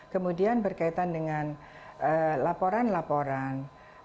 kemudian berkaitan dengan laporan laporan